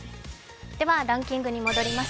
ではランキングに戻ります。